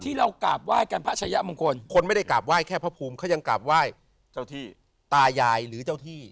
ที่เรากราบไหว้กันพระชายะมงคลคนไม่ได้กราบไห้แค่พระภูมิเขายังกราบไหว้เจ้าที่ตายายหรือเจ้าที่